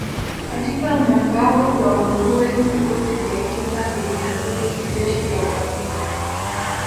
Katika mwambao wa nguruwe vikosi vya Cuba vilikabili majeshi ya uvamizi